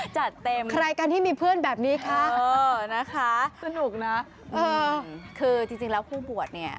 จัดเต็มนะคะจริงแล้วผู้บวชเนี่ย